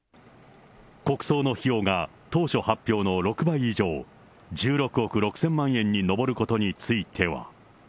国葬の費用が当初発表の６倍以上、１６億６０００万円に上ることについては。